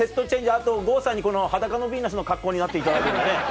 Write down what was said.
あと郷さんに『裸のビーナス』の格好になっていただけるとね。